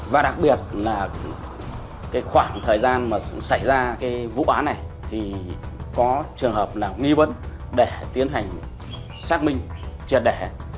và đặc biệt là khoảng thời gian mà xảy ra vụ án này thì có trường hợp nào nghi vấn để tiến hành xác minh trật đẻ